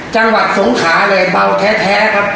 จังหวัดสงขาเลยเบาแท้ครับ